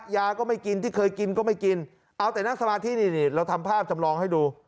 ยาก็ไม่กินที่เคยกินก็ไม่กินเอาแต่นั่งสมาธินี่เราทำภาพจำลองให้ดู